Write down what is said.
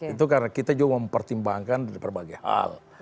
itu karena kita juga mempertimbangkan dari berbagai hal